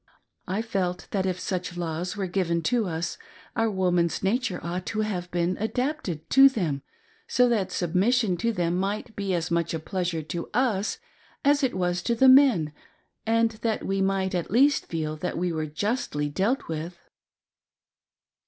I felt that if such laws were given to us, our woman's nature ought to have been adapted to them, so that submission to them might be as much a pleasure to us as it was to the Biien, and that we might at least feel that we were justly dealt with.